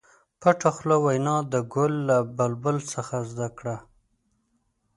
پټه خوله وینا د ګل له بلبل زده کړه.